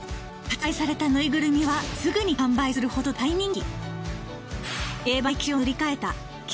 発売されたぬいぐるみはすぐに完売するほど大人気。